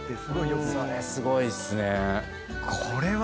それすごいっすね。